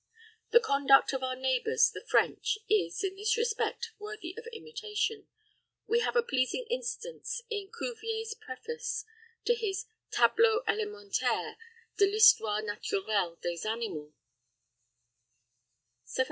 The conduct of our neighbours the French is, in this respect, worthy of imitation; we have a pleasing instance in Cuvier's preface to his "Tableau Élémentaire de l'Histoire Naturelle des Animaux."